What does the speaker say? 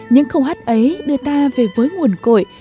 những câu hát ấy đưa ta về với nguồn cội